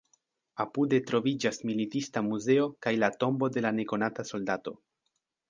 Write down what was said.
Apude troviĝas militista muzeo kaj la Tombo de la Nekonata Soldato.